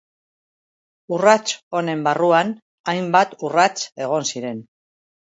Urrats honen barruan hainbat urrats egon ziren.